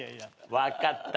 分かった。